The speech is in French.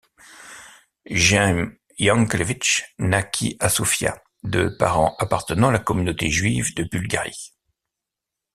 Jaime Yankelevich naquit à Sofia, de parents appartenant à la communauté juive de Bulgarie.